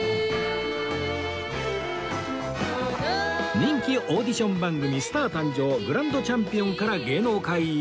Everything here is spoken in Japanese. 人気オーディション番組『スター誕生！』グランドチャンピオンから芸能界入り